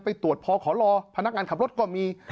ไปตรวจพอขอรอพนักการกิจก็มี